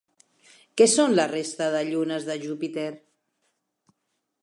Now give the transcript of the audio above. Què són la resta de llunes de Júpiter?